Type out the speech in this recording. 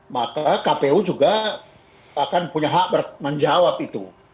maka kpu juga akan punya hak menjawab itu